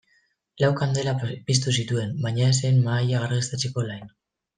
Lau kandela piztu zituen baina ez zen mahaia argiztatzeko lain.